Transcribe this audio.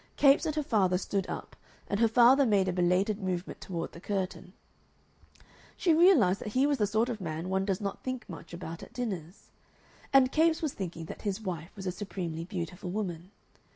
Capes and her father stood up, and her father made a belated movement toward the curtain. She realized that he was the sort of man one does not think much about at dinners. And Capes was thinking that his wife was a supremely beautiful woman.